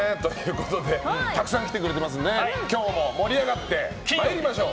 たくさん来てくれてますので今日も盛り上がって参りましょう。